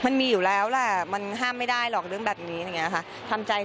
มันมีอยู่แล้วล่ะมันห้ามไม่ได้หรอกเรื่องแบบนี้ทำใจเถอะ